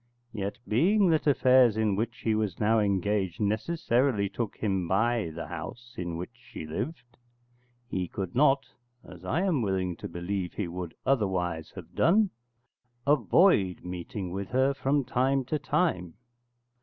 Yet, being that affairs in which he was now engaged necessarily took him by the house in which she lived, he could not (as I am willing to believe he would otherwise have done) avoid meeting with her from time to time.